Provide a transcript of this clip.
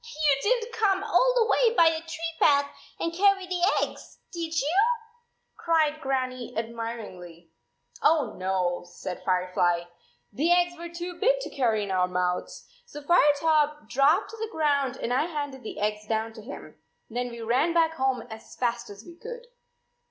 "You didn t come all the way by the tree path and carry the eggs, did you?" cried Grannie admiringly. "Oh, no," said Firefly. "The eggs were too big to carry in our mouths. So Firetop dropped to the ground and I handed the eggs down to him. Then we ran back home as fast as we could."